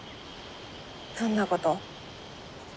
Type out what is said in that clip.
どんなこと？